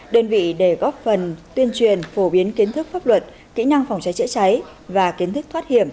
đơn vị để góp phần tuyên truyền phổ biến kiến thức pháp luật kỹ năng phòng cháy chữa cháy và kiến thức thoát hiểm